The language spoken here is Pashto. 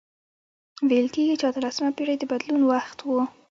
ویل کیږي چې اتلسمه پېړۍ د بدلون وخت و.